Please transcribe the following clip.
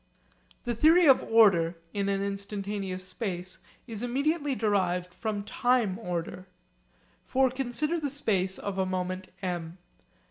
The theory of order in an instantaneous space is immediately derived from time order. For consider the space of a moment M.